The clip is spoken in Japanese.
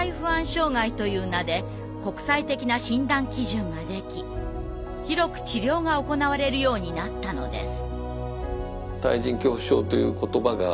障害という名で国際的な診断基準ができ広く治療が行われるようになったのです。